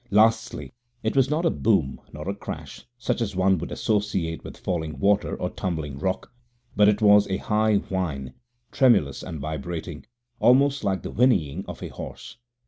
Lastly, it was not a boom, nor a crash, such as one would associate with falling water or tumbling rock, but it was a high whine, tremulous and vibrating, almost like the whinnying of a horse.